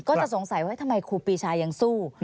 ก็จะสงสัยว่าทำไมครูปีชายังสู้